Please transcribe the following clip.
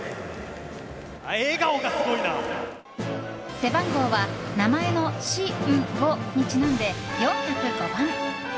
背番号は、名前の「しんご」にちなんで４０５番。